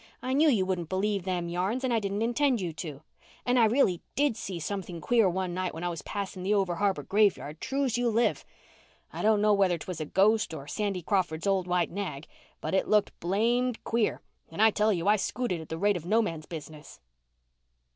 "I knew you wouldn't believe them yarns and I didn't intend you to. And I really did see something queer one night when I was passing the over harbour graveyard, true's you live. I dunno whether 'twas a ghost or Sandy Crawford's old white nag, but it looked blamed queer and I tell you I scooted at the rate of no man's business."